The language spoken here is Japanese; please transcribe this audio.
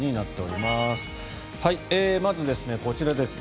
まず、こちらですね。